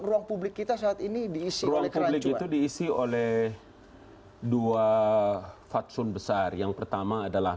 ruang publik kita saat ini diisi oleh klinik itu diisi oleh dua fatsun besar yang pertama adalah